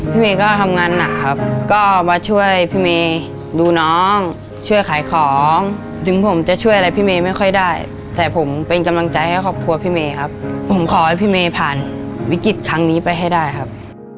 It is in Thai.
พี่เมย์ก็ทำงานหนักครับก็มาช่วยพี่เมย์ดูน้องช่วยขายของถึงผมจะช่วยอะไรพี่เมย์ไม่ค่อยได้แต่ผมเป็นกำลังใจให้ครอบครัวพี่เมย์ครับผมขอให้พี่เมย์ผ่านวิกฤตครั้งนี้ไปให้ได้ครับ